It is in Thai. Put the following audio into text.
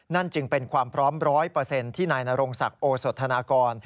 นั่นจึงเป็นความพร้อม๑๐๐ที่นายนรงศักดิ์โอสธนากร